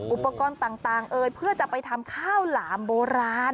อุปกรณ์ต่างเพื่อจะไปทำข้าวหลามโบราณ